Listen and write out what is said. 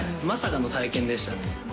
まさかの体験でしたね。